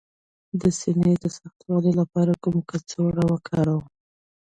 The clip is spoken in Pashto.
د سینې د سختوالي لپاره کومه کڅوړه وکاروم؟